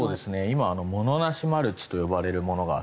今はモノなしマルチと呼ばれるものがあって。